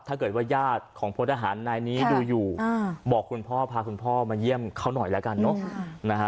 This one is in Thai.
ถ้าเกิดว่าญาติของผู้ทหารนายนี้ดูอยู่บอกคุณพ่อพาคุณพ่อมาเยี่ยมเขาน่อยละกันเนาะ